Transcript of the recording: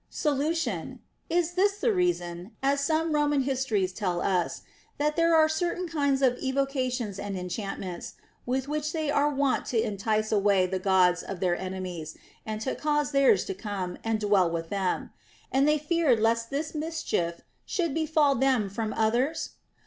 Solution. Is this the reason (as some Poman histories tell us), that there are certain kinds of evocations and enchantments, with which they are wont to entice away the Gods of their enemies, and to cause theirs to come and dwell with them ; and they feared lest this mischief should befall them from others